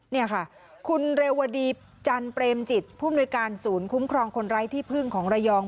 นี่ค่ะคุณเรวดีจันเปรมจิตผู้มนุยการศูนย์คุ้มครองคนไร้ที่พึ่งของระยอง